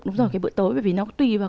đúng rồi cái bữa tối bởi vì nó tùy vào